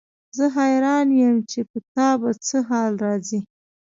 زه حیران یم چې په تا به څه حال راځي.